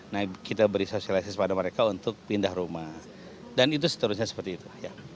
nah kita beri sosialisasi kepada mereka untuk pindah rumah dan itu seterusnya seperti itu